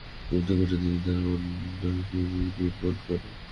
ঘুম থেকে উঠে তিনি তাঁর কন্যাকে বুকের দুধ পান করান।